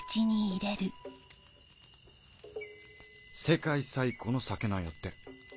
世界最古の酒なんやって。